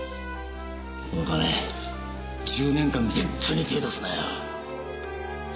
この金１０年間絶対に手出すなよ。